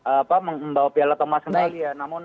apa membawa piala thomas kembali ya namun